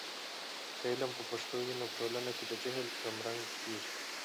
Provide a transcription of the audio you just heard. که علم په پښتو وي، نو په ټولنه کې د جهل کمرنګه کیږي.